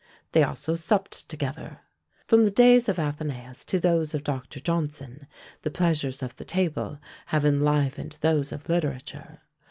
They also "supped together." From the days of AthenÃḊus to those of Dr. Johnson, the pleasures of the table have enlivened those of literature.